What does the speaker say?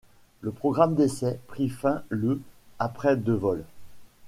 Le programme d'essais prit fin le après de vol.